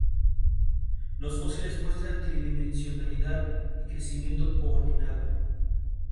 Los fósiles muestran tridimensionalidad y crecimiento coordinado.